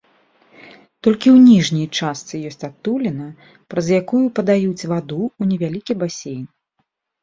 Толькі ў ніжняй частцы ёсць адтуліна, праз якую падаюць ваду ў невялікі басейн.